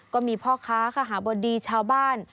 ก็มีพ่อค้าคาหาบดีชาวบ้าน